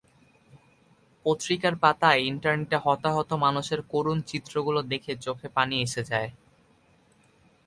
পত্রিকার পাতায়, ইন্টারনেটে হতাহত মানুষের করুণ চিত্রগুলো দেখে চোখে পানি এসে যায়।